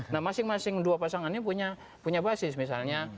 nah masing masing dua pasangannya punya basis